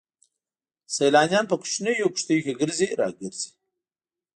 سيلانيان په کوچنيو کښتيو کې ګرځي را ګرځي.